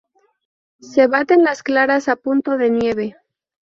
Se baten las claras a punto de nieve.